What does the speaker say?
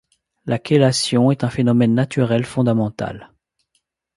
La chélation est un phénomène naturel fondamental.